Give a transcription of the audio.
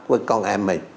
với con em mình